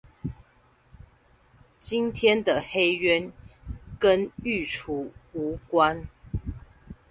今天的黑鳶跟育雛無關